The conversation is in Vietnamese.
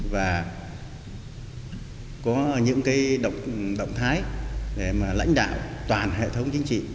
và có những động thái để lãnh đạo toàn hệ thống chính trị